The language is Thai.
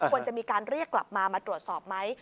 ควรจะมีการเรียกกลับมามาตรวจสอบไหม